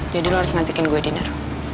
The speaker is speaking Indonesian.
lo harus ngajakin gue dinner